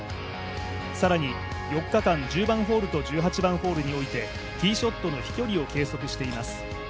更に４日間、１０番ホールと１８番ホールにおいてティーショットの飛距離を計測しています。